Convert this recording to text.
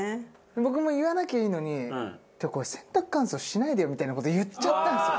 僕も言わなきゃいいのに「これ洗濯乾燥しないでよ」みたいな事言っちゃったんですよ。